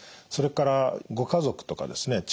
それからご家族とかですね